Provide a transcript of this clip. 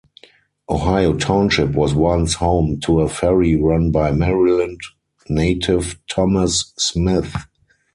Ohio Township was once home to a ferry run by Maryland native Thomas Smith.